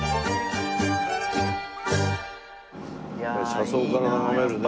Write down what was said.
車窓から眺めるね。